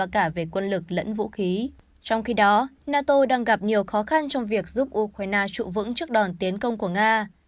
trong khi đó nato đang gặp nhiều khó khăn trong việc giúp ukraine trụ vững trước đòn tiến công của nga